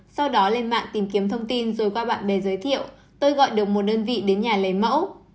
sau đó lên mạng tìm kiếm thông tin rồi qua bạn bè giới thiệu tôi gọi được một đơn vị đến nhà lấy mẫu